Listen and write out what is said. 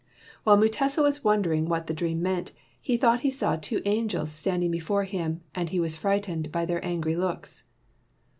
While Mutesa was wondering what the dream meant, he thought he saw two angels standing before him and he was frightened by their angry looks.